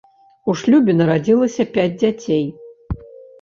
У шлюбе нарадзілася пяць дзяцей.